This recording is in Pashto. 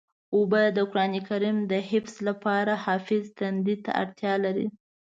اوبه د قرآن کریم د حفظ لپاره حافظ تندې ته اړتیا لري.